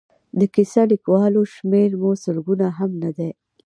د کیسه لیکوالو شمېر مو لسګونه هم نه دی.